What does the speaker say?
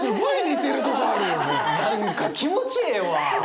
何か気持ちええわ。